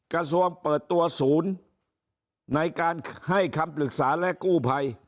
กระทรวงเปิดตัวศูนย์ในการให้คำปรึกษาและกู้ภัย